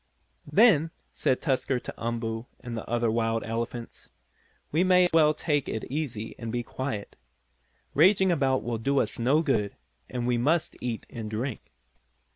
"Then," said Tusker to Umboo, and the other wild elephants, "we may as well take it easy and be quiet. Raging about will do us no good, and we must eat and drink."